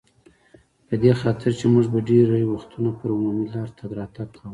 په دې خاطر چې موږ به ډېری وختونه پر عمومي لار تګ راتګ کاوه.